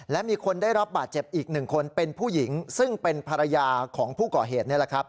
และมีคนได้รับบาดเจ็บอีกหนึ่งคนเป็นผู้หญิงซึ่งเป็นภรรยาของผู้ก่อเหตุนี่แหละครับ